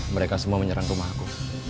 mereka semua menyerang rumah aku